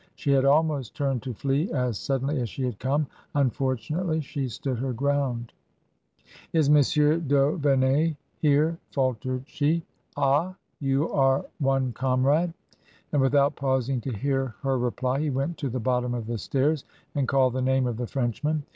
She had almost turned to flee as suddenly as she had come. Unfortunately, she stood her ground. " Is Monsieur d'Auvemey here ? faltered she. " Ah ! You are one comrade !" And without pausing to hear her reply he went to the bottom of the stairs and called the name of the French man.